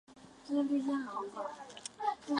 目前为止出有八张专辑。